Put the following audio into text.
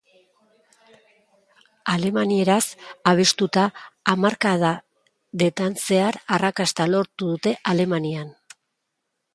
Alemanieraz abestuta, hamarkadetan zehar arrakasta lortu dute Alemanian.